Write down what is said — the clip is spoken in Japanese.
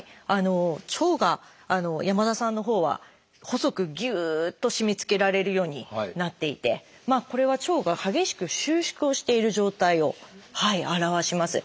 腸が山田さんのほうは細くぎゅっと締めつけられるようになっていてこれは腸が激しく収縮をしている状態を表します。